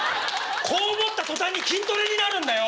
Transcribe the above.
こう持った途端に筋トレになるんだよ！